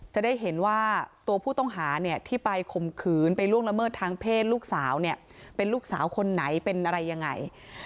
จะได้เห็นว่าตัวผู้ต้องหาเนี่ยที่ไปข่มขืนไปล่วงละเมิดทางเพศลูกสาวเนี่ยเป็นลูกสาวคนไหนเป็นอะไรยังไง